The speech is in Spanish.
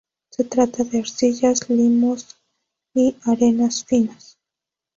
Se trata de arcillas, limos y arenas finas.